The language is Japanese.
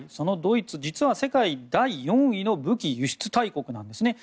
ドイツ実は世界第４位の武器輸出大国なんです。